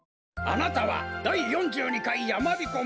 あなたはだい４２かいやまびこ